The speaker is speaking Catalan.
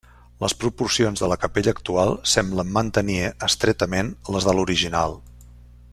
Les proporcions de la capella actual semblen mantenir estretament les de l'original.